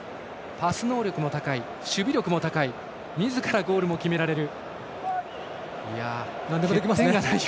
パス能力も高い、守備力も高いみずからゴールも決められる。